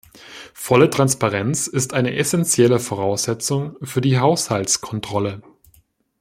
Volle Transparenz ist eine essentielle Voraussetzung für die Haushaltskontrolle.